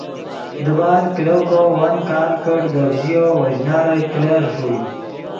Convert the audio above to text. دیبال کلو کو ون کال کڑ گپ ژیو وو ژینارے کلیر ݰوئے